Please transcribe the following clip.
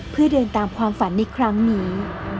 เพื่อเดินตามความฝันในครั้งนี้